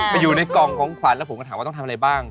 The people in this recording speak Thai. อยู่ในกล่องของขวัญแล้วผมก็ถามว่าต้องทำอะไรบ้าง